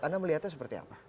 anda melihatnya seperti apa